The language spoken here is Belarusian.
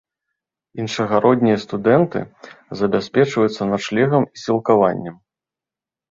Іншагароднія студэнты забяспечваюцца начлегам і сілкаваннем.